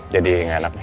jadi gak enak nih